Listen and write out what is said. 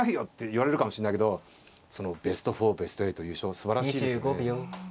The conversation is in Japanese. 言われるかもしれないけどそのベスト４ベスト８優勝すばらしいですね。